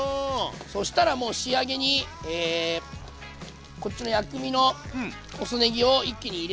そしたらもう仕上げにこっちの薬味の細ねぎを一気に入れて。